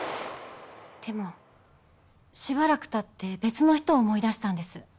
でもしばらく経って別の人を思い出したんです。